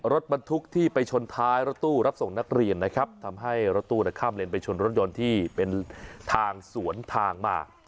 รถบรรทุกที่ไปชนท้ายรถตู้รับส่งนักเรียนนะครับทำให้รถตู้ข้ามเลนไปชนรถยนต์ที่เป็นทางสวนทางมา